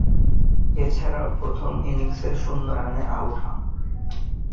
এছাড়াও প্রথম ইনিংসে শূন্য রানে আউট হন।